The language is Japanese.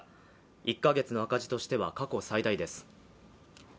１か月の赤字としては過去最大です